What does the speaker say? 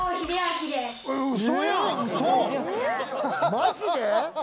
マジで？